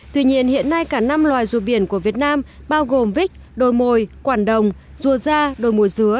tuy nhiên hiện nay cả năm loài rùa biển của việt nam bao gồm vích đồi mồi quản đồng rùa da đồi mồi dứa